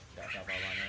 tidak ada apa apa